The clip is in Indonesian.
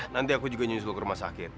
nanti aku juga nyusul ke rumah sakit